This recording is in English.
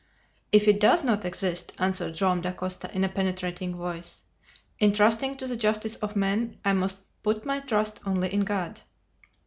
"If it does not exist," answered Joam Dacosta, in a penetrating voice, "in trusting to the justice of men, I must put my trust only in God!"